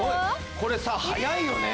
これさ速いよね。